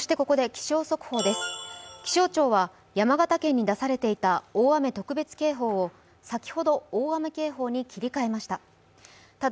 気象庁は山形県に出されていた大雨特別警報を先ほど大雨警報に切り替えました。